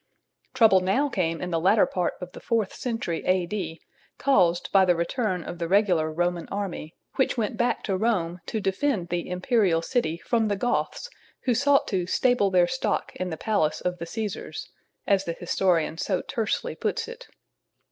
Trouble now came in the latter part of the fourth century A.D., caused by the return of the regular Roman army, which went back to Rome to defend the Imperial City from the Goths who sought to "stable their stock in the palace of the Caesars," as the historian so tersely puts it.